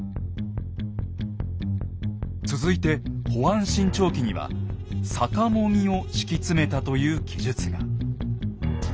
続いて「甫庵信長記」には「さかも木を敷き詰めた」という記述が。